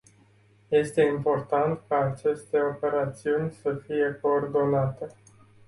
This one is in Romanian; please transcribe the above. Este important ca aceste operațiuni să fie coordonate.